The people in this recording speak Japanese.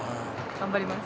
頑張ります